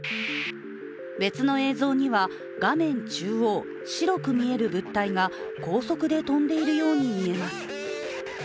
別の映像には、画面中央白く見える物体が高速で飛んでいるように見えます。